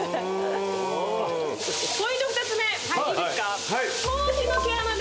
ポイント２つ目いいですか？